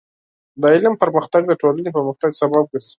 د علم پرمختګ د ټولنې پرمختګ سبب ګرځي.